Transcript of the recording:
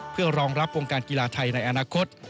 เพื่อรองรับวงการกีฬาไทยในอนาคต